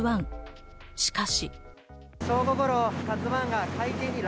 しかし。